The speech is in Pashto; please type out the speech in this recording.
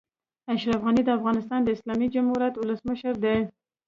اشرف غني د افغانستان د اسلامي جمهوريت اولسمشر دئ.